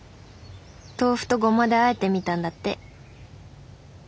豆腐とゴマであえてみたんだって。